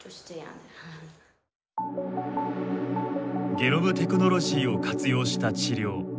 ゲノムテクノロジーを活用した治療。